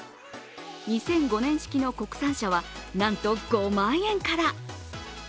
２００５年式の国産車はなんと５万円から。